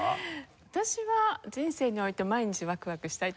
私は人生において毎日ワクワクしたいと思ってるんですけど